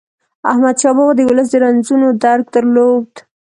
احمدشاه بابا د ولس د رنځونو درک درلود.